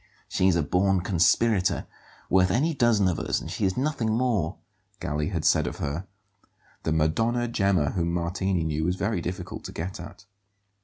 "She's a born conspirator, worth any dozen of us; and she is nothing more," Galli had said of her. The "Madonna Gemma" whom Martini knew was very difficult to get at.